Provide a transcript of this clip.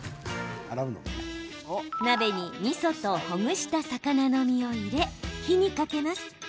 鍋にみそとほぐした魚の身を入れ火にかけます。